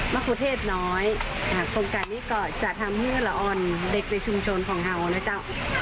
ครูเทศน้อยโครงการนี้ก็จะทำให้ละอ่อนเด็กในชุมชนของเรานะเจ้า